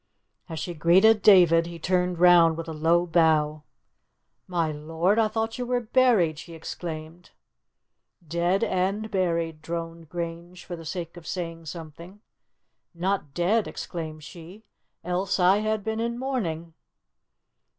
As she greeted David, he turned round with a low bow. "My lord, I thought you were buried!" she exclaimed. "Dead and buried," droned Grange, for the sake of saying something. "Not dead," exclaimed she, "else I had been in mourning!"